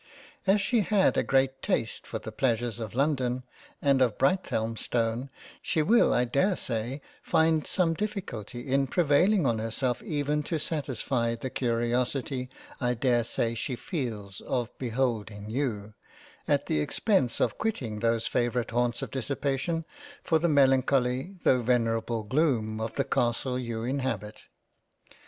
As she had a great taste for the pleasures of London, and of Brighthelmstone, she will I dare say find some difficulty in prevailing on herself even to satisfy the curiosity I dare say she feels of beholding you, at the expence of quitting those favourite haunts of Dissipation, for the melancholy tho' venerable gloom of the castle you inhabit.